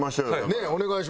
ねえお願いします。